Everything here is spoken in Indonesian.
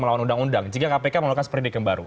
melawan undang undang jika kpk melakukan seperti dikenal baru